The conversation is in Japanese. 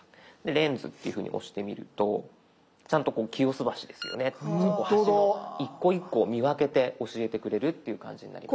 「レンズ」っていうふうに押してみるとちゃんとこう清洲橋ですよねって橋の一個一個を見分けて教えてくれるっていう感じになります。